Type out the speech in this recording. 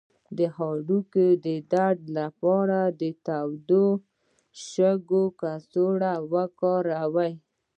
د هډوکو د درد لپاره د تودو شګو کڅوړه وکاروئ